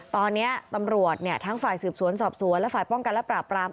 ตอนนี้ตำรวจทั้งฝ่ายสืบสวนสอบสวนและฝ่ายป้องกันและปราบปราม